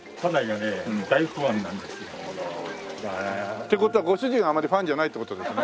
って事はご主人はあまりファンじゃないって事ですね？